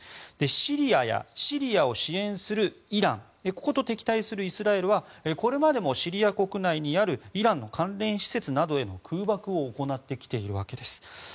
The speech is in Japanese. シリアやシリアを支援するイランここと敵対するイスラエルはこれまでもシリア国内にあるイランの関連施設などへの空爆を行ってきているわけです。